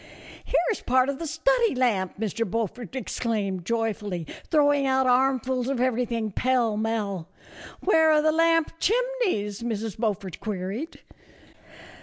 " Here is part of the study lamp," Mr. Beaufort exclaimed, joyfully, throwing out armfuls of every thing pell mell. " Where are the lamp chimneys ?" Mrs. Beaufort queried.